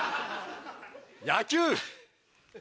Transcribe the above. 「野球」。